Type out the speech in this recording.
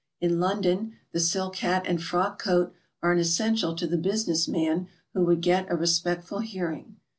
In London the silk hat and frock coat are an essential to the business man who would get a respectful hearing.